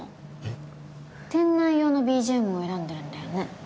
店内用のＢＧＭを選んでるんだよね？